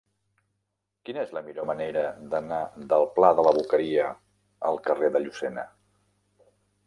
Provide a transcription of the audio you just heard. Quina és la millor manera d'anar del pla de la Boqueria al carrer de Llucena?